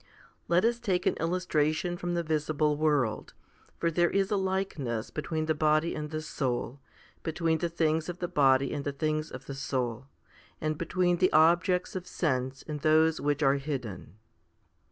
Let us take an illustration from the visible world ; for there is a likeness between the body and the soul, between the things of the body and the things of the soul, and between the objects of sense and those which are hidden.